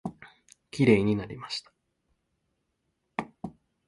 きれいになりました。